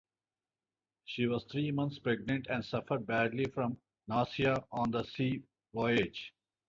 She was three months pregnant and suffered badly from nausea on the sea voyage.